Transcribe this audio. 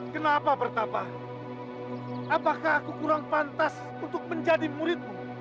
kenapa bertambah apakah aku kurang pantas untuk menjadi muridmu